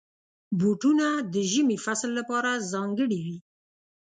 بوټونه د ژمي فصل لپاره ځانګړي وي.